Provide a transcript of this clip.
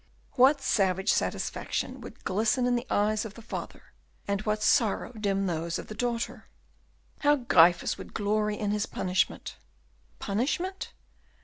What savage satisfaction would glisten in the eyes of the father, and what sorrow dim those of the daughter! How Gryphus would glory in his punishment! Punishment?